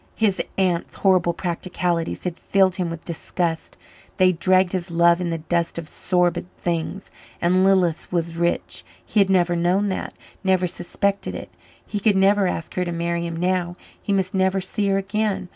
His aunt's horrible practicalities had filled him with disgust they dragged his love in the dust of sordid things. And Lilith was rich; he had never known that never suspected it. He could never ask her to marry him now; he must never see her again.